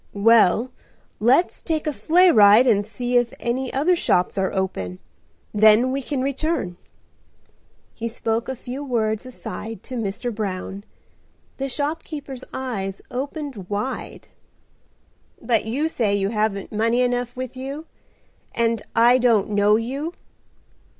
"Well, let's take a sleigh ride and see if any other shops are open. Then we can return." He spoke a few words aside to Mr. Brown. The shopkeeper's eyes opened wide. "But you say you haven't money enough with you, and I don't know you?"